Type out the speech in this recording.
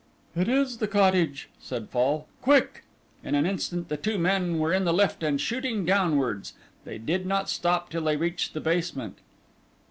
"It is the cottage!" said Fall. "Quick!" In an instant the two men were in the lift and shooting downwards; they did not stop till they reached the basement.